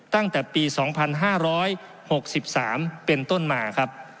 ตั้งแต่ปี๒๕๖๓เป็นต้นมาครับ